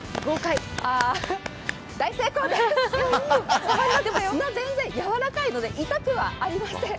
あ、大成功です砂、全然やわらかいので、痛くはありません。